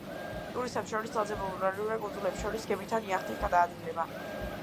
ტურისტებს შორის ძალზე პოპულარულია კუნძულებს შორის გემით ან იახტით გადაადგილება.